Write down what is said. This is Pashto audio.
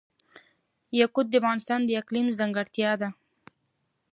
یاقوت د افغانستان د اقلیم ځانګړتیا ده.